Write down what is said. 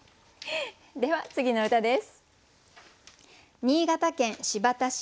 では次の歌です。